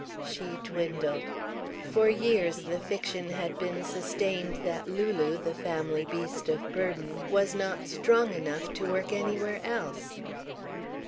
She dwindled. For years the fiction had been sustained that Lulu, the family beast of burden, was not strong enough to work anywhere else.